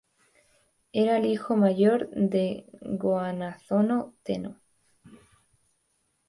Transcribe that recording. Era el hijo mayor del Go-Hanazono Tennō.